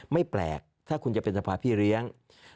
ไม่แปลกถ้าคุณจะเป็นสภาพพี่เลี้ยง